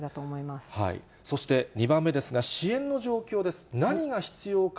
そして２番目ですが、支援の状況です。